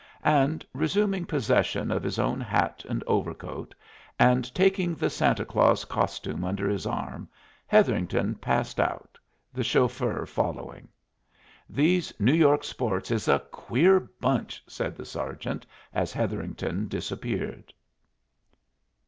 And resuming possession of his own hat and overcoat, and taking the Santa Claus costume under his arm, Hetherington passed out, the chauffeur following. "These New York sports is a queer bunch!" said the sergeant as Hetherington disappeared.